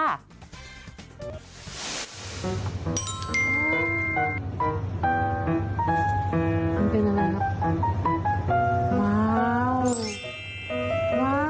มันเป็นอะไรครับ